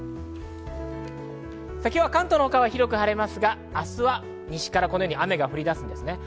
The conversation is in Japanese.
今日は関東の他は広く晴れますが、明日は西からこのように雨が降り出します。